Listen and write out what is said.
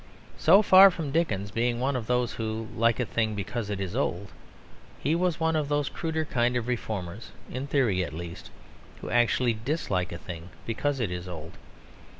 So far from Dickens being one of those who like a thing because it is old, he was one of those cruder kind of reformers, in theory at least, who actually dislike a thing because it is old.